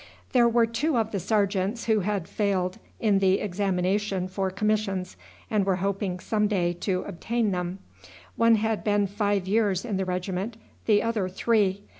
There were two of the sergeants who had failed in the examination for commissions, and were hoping some day to obtain them. One had been five years in the regiment, the other three.